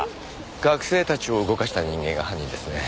学生たちを動かした人間が犯人ですね。